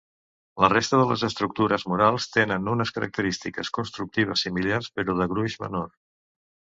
La resta de les estructures murals tenen unes característiques constructives similars, però de gruix menor.